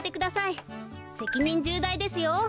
せきにんじゅうだいですよ！